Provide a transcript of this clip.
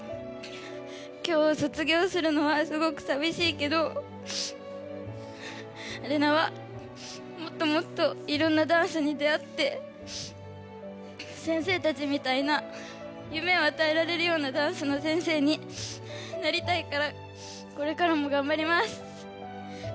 きょう卒業するのはすごくさみしいけどレナはもっともっといろんなダンスに出会って先生たちみたいな夢をあたえられるようなダンスの先生になりたいからこれからもがんばります。